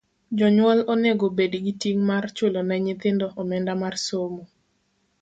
jonyuol onego bed gi ting' mar chulo ne nyithindo omenda mar somo.